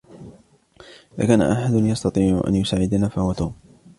إذا كان أحد يستطيع أن يساعدنا, فهوَ توم.